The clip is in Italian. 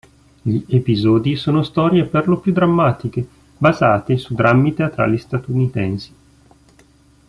Gli episodi sono storie perlopiù drammatiche basate su drammi teatrali statunitensi.